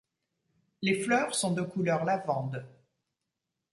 Les fleurs sont de couleur lavande.